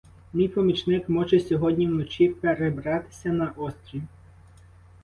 Мій помічник може сьогодні вночі перебратися на острів.